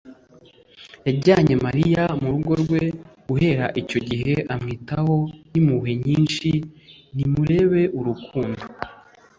yajyanye mariya mu rugo rwe, guhera icyo gihe amwitaho n’impuhwe nyinshi nimurebe urukundo